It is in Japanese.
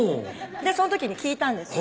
その時に聞いたんです